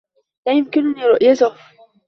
لا يمكنني رؤيته.